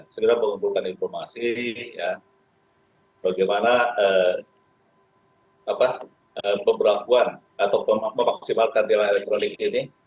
segera mengumpulkan informasi bagaimana pemberlakuan atau memaksimalkan tilang elektronik ini